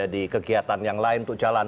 di kegiatan yang lain untuk jalan